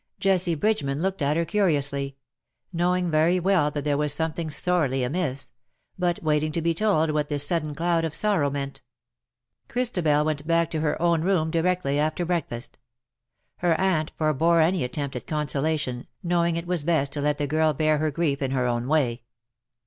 Jessie Bridge man looked at her curiously — knowing very well that there was something sorely amiss — but waiting to be told what this sudden cloud of sorrow meant. Christabel went back to her own room directly after breakfast. Her aunt forbore any attempt at consolation, knowing it was best to let the girl bear her grief in her own way.